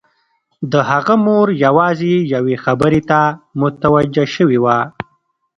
د هغه مور یوازې یوې خبرې ته متوجه شوې وه